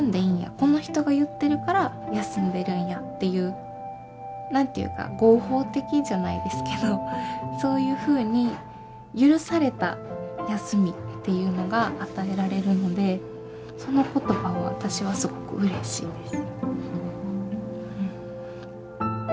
この人が言ってるから休んでるんや」っていう何て言うか合法的じゃないですけどそういうふうに許された休みっていうのが与えられるのでその言葉は私はすごくうれしいです。